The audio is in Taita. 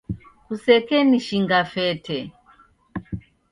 Kusekenishinga fete.